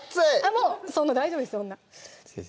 もうそんな大丈夫ですよ先生